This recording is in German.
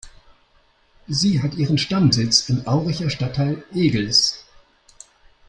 Sie hat ihren Stammsitz im Auricher Stadtteil Egels.